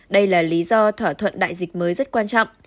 đây là lý do thỏa thuận đại dịch mới rất quan trọng